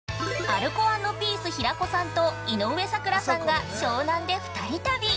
◆アルコ＆ピース平子さんと井上咲楽さんが湘南で二人旅。